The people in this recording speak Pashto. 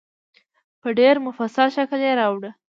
په ډېر مفصل شکل یې راوړه.